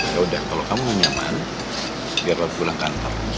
yaudah kalau kamu gak nyaman biar papi pulang kantor